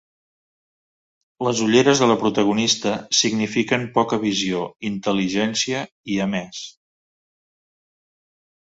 Les ulleres de la protagonista signifiquen poca visió, intel·ligència i, a més.